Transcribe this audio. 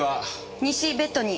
西ベッドに。